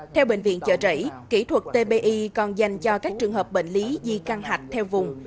theo bệnh viện trợ đẩy kỹ thuật tbi còn dành cho các trường hợp bệnh lý di căng hạch theo vùng